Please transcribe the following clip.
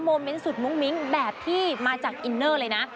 เมนต์สุดมุ้งมิ้งแบบที่มาจากอินเนอร์เลยนะ